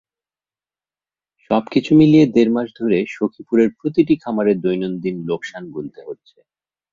সবকিছু মিলিয়ে দেড় মাস ধরে সখীপুরের প্রতিটি খামারে দৈনন্দিন লোকসান গুনতে হচ্ছে।